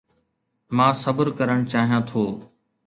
مان صبر ڪرڻ چاهيان ٿو